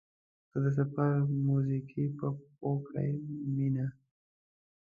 تا د سفر موزې په پښو کړې مینه.